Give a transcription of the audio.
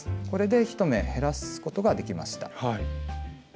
これで１目減らすことができました。